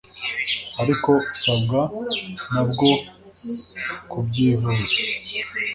ariko usabwa nabyo kubyivuza.